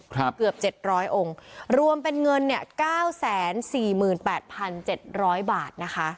เกือบเจ็ดร้อยองค์รวมเป็นเงินเนี่ยเก้าแสนสี่หมื่นแปดพันเจ็ดร้อยบาทนะคะ